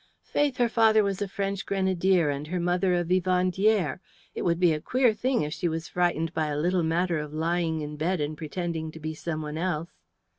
"Faith, her father was a French grenadier and her mother a vivandière. It would be a queer thing if she was frightened by a little matter of lying in bed and pretending to be someone else."